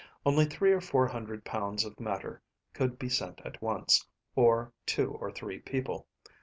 Only three or four hundred pounds of matter could be sent at once, or two or three people.